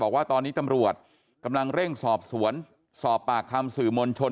บอกว่าตอนนี้ตำรวจกำลังเร่งสอบสวนสอบปากคำสื่อมวลชน